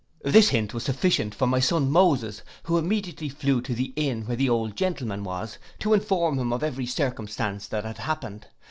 This hint was sufficient for my son Moses, who immediately flew to the inn where the old gentleman was, to inform him of every circumstance that had happened.